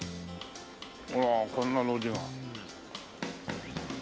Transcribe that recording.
あらこんな路地が。